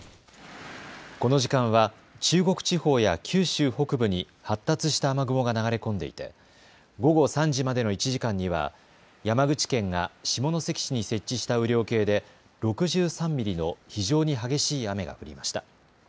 この時間は中国地方や九州北部に発達した雨雲が流れ込んでいて午後３時までの１時間には山口県が下関市に設置した雨量計で６３ミリの非常に激しい雨が降りました。